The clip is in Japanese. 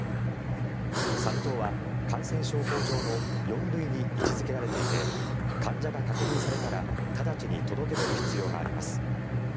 サル痘は感染症法上の４類に位置付けられていて患者が確認されたら直ちに届け出る必要があります。